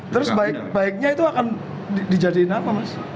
terus baik baiknya itu akan dijadiin apa mas